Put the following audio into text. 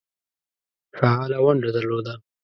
فعاله ونډه درلوده.